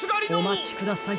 おまちください。